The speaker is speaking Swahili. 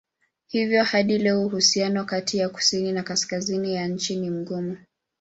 Hivyo hadi leo uhusiano kati ya kusini na kaskazini ya nchi ni mgumu.